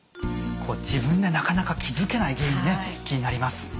こう自分でなかなか気付けない原因ね気になります。